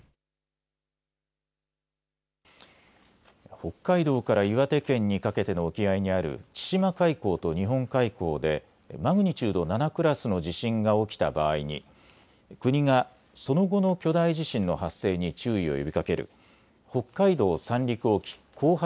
北海道から岩手県にかけての沖合にある千島海溝と日本海溝でマグニチュード７クラスの地震が起きた場合に、国がその後の巨大地震の発生に注意を呼びかける北海道・三陸沖後発